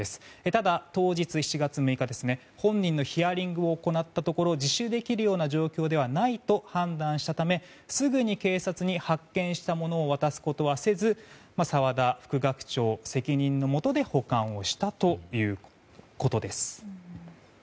ただ、当日の７月６日本人のヒアリングを行ったところ自首できるような状況ではないと判断したためすぐに警察に発見したものを渡すことはせず澤田副学長の責任のもとで保管したということです。